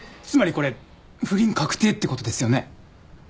つまりこれ不倫確定ってことですよね？